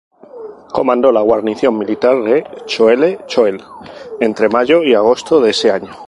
Comandó la guarnición militar de Choele Choel entre mayo y agosto de ese año.